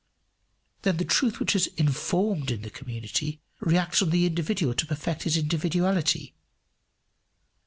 Then the truth which has informed in the community reacts on the individual to perfect his individuality.